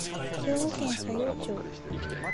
兵庫県佐用町